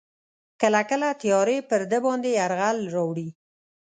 کله کله تیارې پر ده باندې یرغل راوړي.